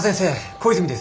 小泉です。